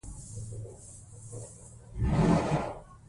لومړی مې د وچې ډوډۍ پخول زده نه و.